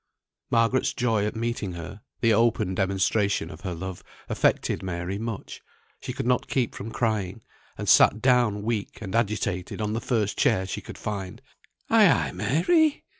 Margaret's joy at meeting her, the open demonstration of her love, affected Mary much; she could not keep from crying, and sat down weak and agitated on the first chair she could find. "Ay, ay, Mary!